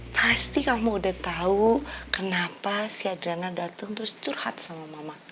pasti kamu udah tau kenapa si adriana dateng terus curhat sama mama